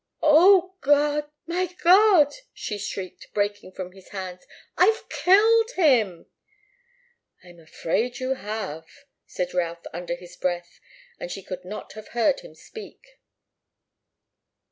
"Oh, God! My God!" she shrieked, breaking from his hands. "I've killed him!" "I'm afraid you have," said Routh, but under his breath, and she could not have heard him speak.